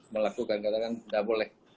melakukan katakan gak boleh